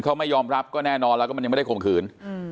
เขาไม่ยอมรับก็แน่นอนแล้วก็มันยังไม่ได้ข่มขืน